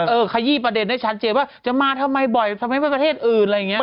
ขยี้ประเด็นได้ชัดเจนว่าจะมาทำไมบ่อยทำไมประเทศอื่นอะไรอย่างนี้